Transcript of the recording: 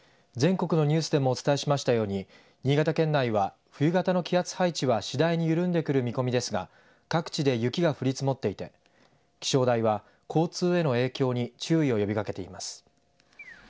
全国のニュースでもお伝えしましたように新潟県内は冬型の気圧配置は次第に緩んでくる見込みですが各地で雪が降り積もっていて気象台は交通への影響に注意を呼びかけています。